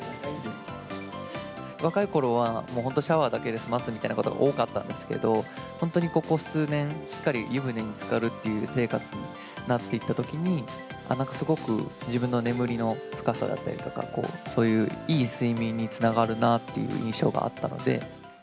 若いころは、もう本当、シャワーだけで済ますみたいなことが多かったんですけど、本当にここ数年、しっかり湯船につかるっていう生活になっていったときに、ああ、なんかすごく、自分の眠りの深さだったりとか、そういう、いい睡眠につながるなっていう印象があったので。